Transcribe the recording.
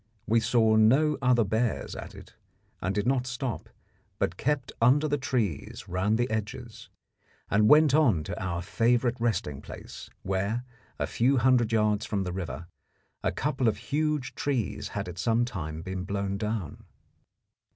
We saw no other bears at it, and did not stop, but kept under the trees round the edges, and went on to our favourite resting place, where, a few hundred yards from the river, a couple of huge trees had at some time been blown down.